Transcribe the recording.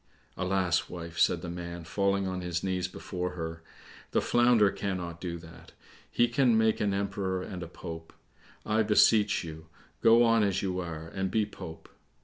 "Alas, wife," said the man, falling on his knees before her, "the Flounder cannot do that; he can make an emperor and a pope; I beseech you, go on as you are, and be Pope."